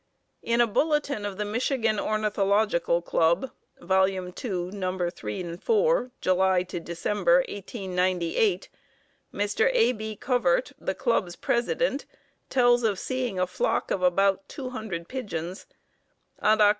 In a bulletin of the Michigan Ornithological Club, Vol. II, No. 3 4, July to December, 1898, Mr. A. B. Covert, the club's president, tells of seeing a flock of about two hundred pigeons. On Oct.